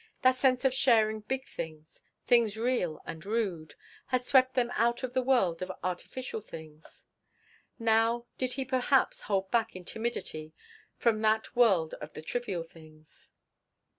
That sense of sharing big things, things real and rude, had swept them out of the world of artificial things. Now did he perhaps hold back in timidity from that world of the trivial things?